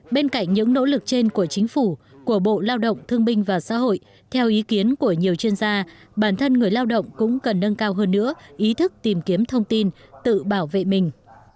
bên cạnh những nỗ lực trên của chính phủ của bộ lao động thương binh và xã hội theo ý kiến của nhiều chuyên gia bản thân người lao động cũng cần nâng cao hơn nữa ý thức tìm kiếm thông tin tự bảo vệ mình